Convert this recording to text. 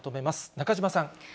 中島さん。